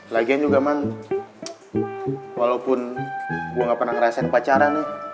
lagian juga man walaupun gua ga pernah ngerasain pacaran ya